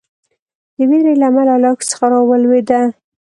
د وېرې له امله له اوښ څخه راولېده.